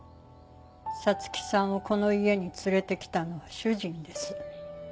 彩月さんをこの家に連れてきたのは主人です。